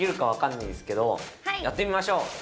はいやってみましょう。